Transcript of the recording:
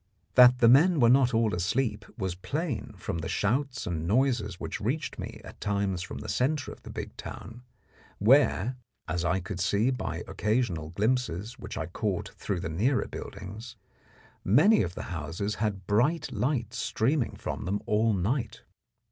That the men were not all asleep was plain from the shouts and noises which reached me at times from the centre of the big town, where, as I could see by occasional glimpses which I caught through the nearer buildings, many of the houses had bright lights streaming from them all night.